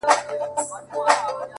په خوب ويده’ يو داسې بله هم سته’